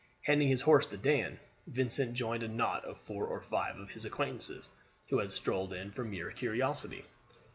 Handing his horse to Dan, Vincent joined a knot of four or five of his acquaintances who had strolled in from mere curiosity.